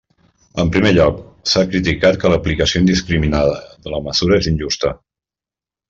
En primer lloc, s'ha criticat que l'aplicació indiscriminada de la mesura és injusta.